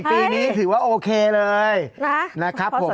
ปีนี้ถือว่าโอเคเลยนะครับผม